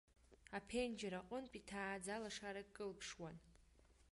Аԥенџьыр аҟынтә иҭааӡа лашарак кылԥшуан.